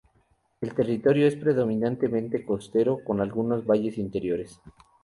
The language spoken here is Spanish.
El territorio es predominantemente costero, con algunos valles interiores.